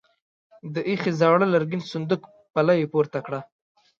د ايښې زاړه لرګين صندوق پله يې پورته کړه.